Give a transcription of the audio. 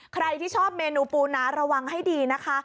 ใครที่ชอบเมนูปูน้าระวังให้ดีนะคะ